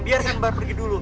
biar mbak pergi dulu